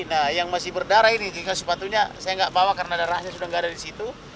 nah yang masih berdarah ini jika sepatunya saya nggak bawa karena darahnya sudah nggak ada di situ